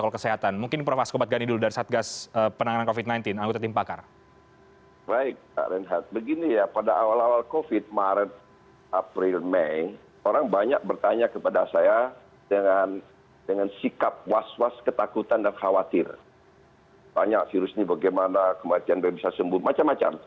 kematian bisa sembuh macam macam